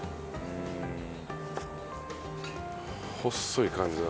細い感じだ。